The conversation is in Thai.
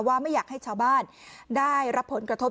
ไม่อยากให้ชาวบ้านได้รับผลกระทบ